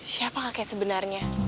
siapa kakek sebenarnya